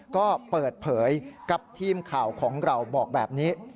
ก็เปิดเผยกับทีมข่าวของเราบอกแบบนี้